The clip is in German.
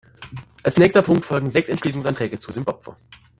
Als nächster Punkt folgen sechs Entschließungsanträge zu Simbabwe.